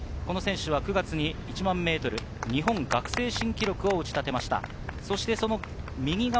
９月に１００００ｍ、日本学生新記録を打ち立てました。